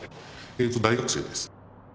大学生です。